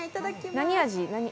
何味？